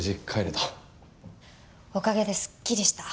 おかげですっきりした。